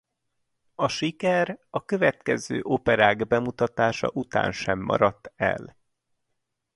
A siker a következő operák bemutatása után sem maradt el.